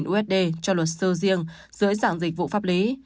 bốn trăm hai mươi usd cho luật sư riêng dưới dạng dịch vụ pháp lý